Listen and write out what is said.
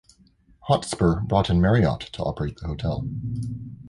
Hotspur brought in Marriott to operate the hotel.